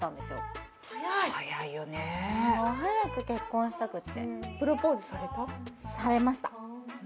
早いよね早く結婚したくってプロポーズされた？